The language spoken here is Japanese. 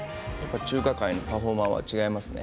中華界のパフォーマーは違いますね。